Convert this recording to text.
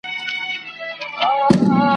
په جنت کي مي ساتلی بیرغ غواړم ..